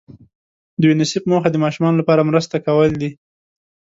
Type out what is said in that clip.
د یونیسف موخه د ماشومانو لپاره مرسته کول دي.